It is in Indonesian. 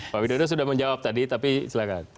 pak widodo sudah menjawab tadi tapi silahkan